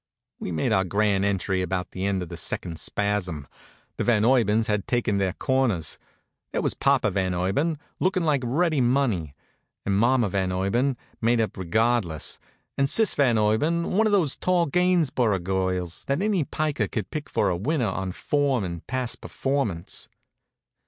We made our grand entry about the end of the second spasm. The Van Urbans had taken their corners. There was Papa Van Urban, lookin' like ready money; and Mamma Van Urban, made up regardless; and Sis Van Urban, one of those tall Gainsborough girls that any piker could pick for a winner on form and past performance.